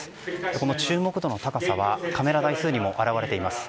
この注目度の高さはカメラ台数にも表れています。